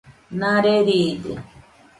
Nare riide